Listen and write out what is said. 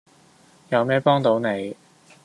有咩幫到你？